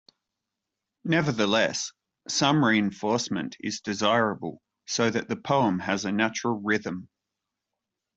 Nevertheless, some reinforcement is desirable so that the poem has a natural rhythm.